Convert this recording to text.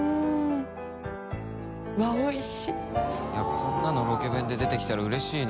こんなのロケ弁で出てきたらうれしいな。